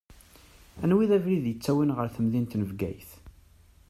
Anwa i d abrid ittawin ɣer temdint n Bgayet?